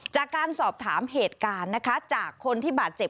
จากการสอบถามเหตุการณ์นะคะจากคนที่บาดเจ็บ